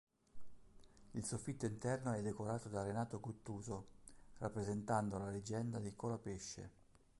Il soffitto interno è decorato da Renato Guttuso rappresentando la leggenda di Colapesce.